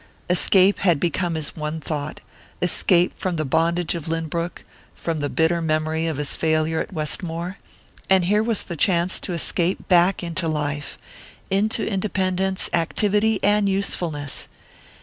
Escape had become his one thought: escape from the bondage of Lynbrook, from the bitter memory of his failure at Westmore; and here was the chance to escape back into life into independence, activity and usefulness!